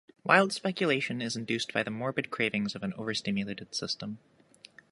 Wild speculation is induced by the morbid cravings of an overstimulated system.